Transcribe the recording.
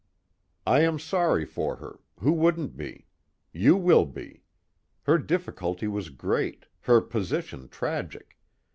"I am sorry for her who wouldn't be? You will be. Her difficulty was great, her position tragic.